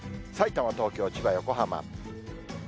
さいたま、東京、千葉、横浜。